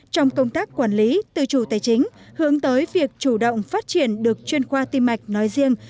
trong công tác quản lý tư chủ tài chính hướng tới việc chủ động phát triển được chuyên khoa tim mạch nói riêng